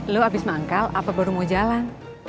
lu abis maangkal apa baru mau jalan